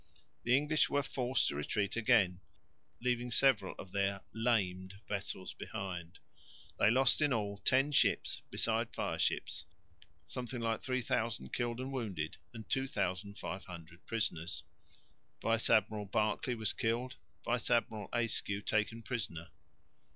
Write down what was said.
The English were forced to retreat again, leaving several of their "lamed" vessels behind. They lost in all ten ships besides fireships, something like 3000 killed and wounded and 2500 prisoners. Vice Admiral Berkeley was killed, Vice Admiral Ayscue taken prisoner.